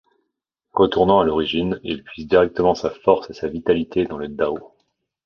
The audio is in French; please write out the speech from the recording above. Retournant à l'origine, il puise directement sa force et sa vitalité dans le Dao.